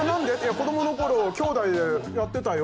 子どもの頃きょうだいでやってたよ。